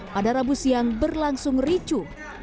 pada rabu siang berlangsung ricu